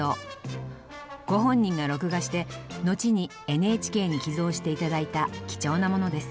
ご本人が録画して後にＮＨＫに寄贈していただいた貴重なものです。